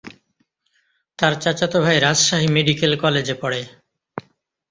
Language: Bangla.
তার চাচাতো ভাই রাজশাহী মেডিকেল কলেজে পড়ে।